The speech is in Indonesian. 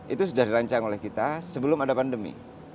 itu sudah dirancang oleh kita sebelum ada pandemi